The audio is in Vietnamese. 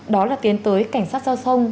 đó là tiến tới cảnh sát giao thông